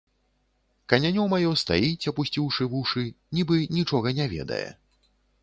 Канянё маё стаіць, апусціўшы вушы, нібы нічога не ведае.